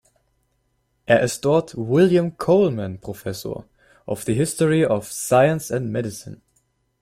Er ist dort „William Coleman Professor“ of the History of Science and Medicine.